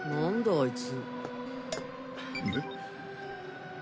あいつ。